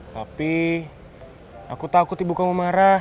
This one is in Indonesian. tapi aku takut ibu kamu marah